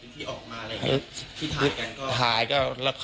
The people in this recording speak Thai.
ที่ถ่ายกัน